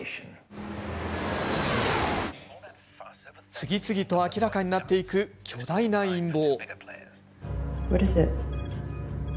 次々と明らかになっていく巨大な陰謀。